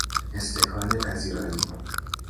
استکان پذیرایی